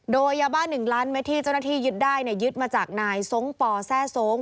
โดยยาบ้านหนึ่งล้านแม่ที่เจ้าหน้าที่ยึดได้ยึดมาจากนายสงฆ์ปแทร่สงฆ์